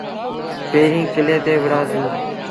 پيريٚݩ ڪلي تي وُهڙآ سيٚݩ۔